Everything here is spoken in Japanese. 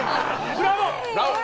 ブラボー！